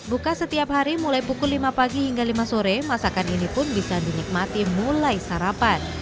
buka setiap hari mulai pukul lima pagi hingga lima sore masakan ini pun bisa dinikmati mulai sarapan